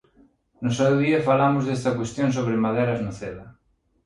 No seu día falamos desta cuestión sobre Maderas Noceda.